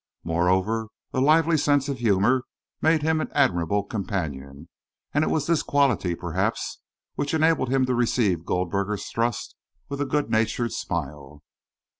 Moreover, a lively sense of humour made him an admirable companion, and it was this quality, perhaps, which enabled him to receive Goldberger's thrust with a good natured smile.